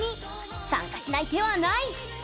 参加しない手はない！